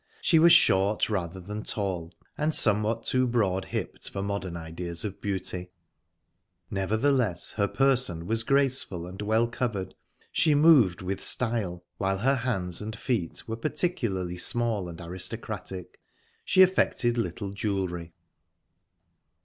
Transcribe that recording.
She was short, rather than tall, and somewhat too broad hipped for modern ideas of beauty; nevertheless, her person was graceful and well covered, she moved with style, while her hands and feet were particularly small and aristocratic. She affected little jewelry.